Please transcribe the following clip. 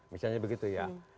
misalnya begitu ya